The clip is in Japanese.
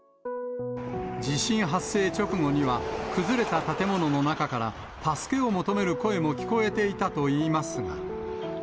地震発生直後には、崩れた建物の中から、助けを求める声も聞こえていたといいますが。